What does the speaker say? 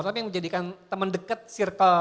tapi yang menjadikan teman dekat circle